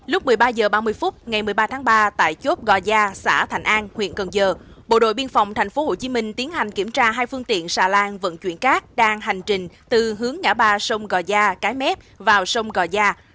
lúc một mươi ba h ba mươi phút ngày một mươi ba tháng ba tại chốt gò gia xã thạnh an huyện cần giờ bộ đội biên phòng tp hcm tiến hành kiểm tra hai phương tiện xà lan vận chuyển cát đang hành trình từ hướng ngã ba sông gò gia cái mép vào sông gò gia